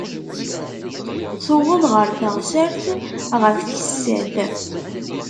Tuweḍ ɣer teɣsert ɣef tis sat.